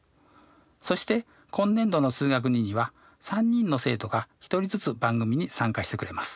そして今年度の「数学Ⅱ」には３人の生徒が１人ずつ番組に参加してくれます。